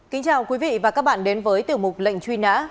kính chào quý vị và các bạn đến với tiểu mục lệnh truy nã